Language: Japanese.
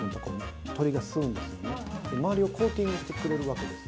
周りをコーティングしてくれるわけです。